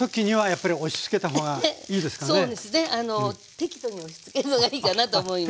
適度に押しつけるのがいいかなと思います。